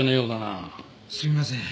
すみません。